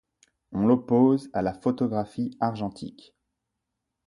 On l'oppose à la photographie argentique.